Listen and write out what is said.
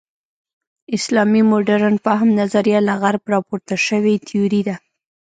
اسلامي مډرن فهم نظریه له غرب راپور شوې تیوري ده.